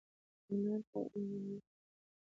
انار په د ارغانداب دي